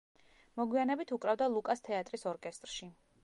მოგვიანებით უკრავდა ლუკას თეატრის ორკესტრში.